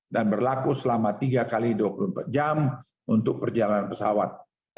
dan berlaku selama tiga x dua puluh empat jam untuk perjalanan pesawat